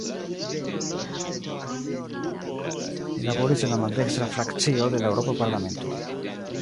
Li laboris en la maldekstra frakcio de la Eŭropa Parlamento.